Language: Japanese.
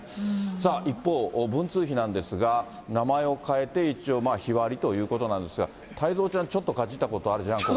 さあ、一方、文通費なんですが、名前を変えて、一応日割りということなんですが、太蔵ちゃん、ちょっとかじったことあるじゃん？